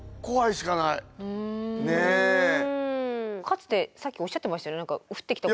かつてさっきおっしゃってましたね